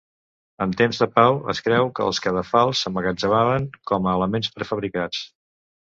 En temps de pau, es creu que els cadafals s'emmagatzemaven com a elements prefabricats.